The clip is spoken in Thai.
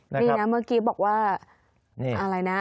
นี่นะเมื่อกี้บอกว่าอะไรนะ